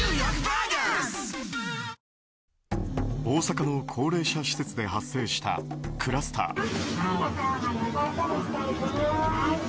大阪の高齢者施設で発生したクラスター。